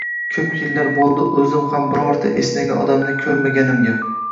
— Ko‘p yillar bo‘ldi o‘zim ham birorta esnagan odamni ko‘rmaganimga.